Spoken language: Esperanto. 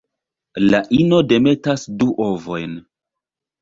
La ino demetas du ovojn.